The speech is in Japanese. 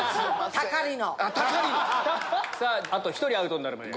あと１人アウトになるまでやります。